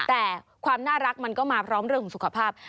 แต่ความน่ารักมันก็มาพร้อมเรื่องของสุขภาพ